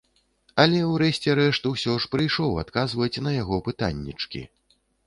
Але ў рэшце рэшт усё ж прыйшоў адказваць на яго пытаннечкі.